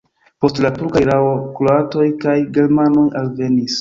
Post la turka erao kroatoj kaj germanoj alvenis.